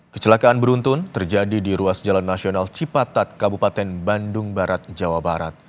kecelakaan beruntun terjadi di ruas jalan nasional cipatat kabupaten bandung barat jawa barat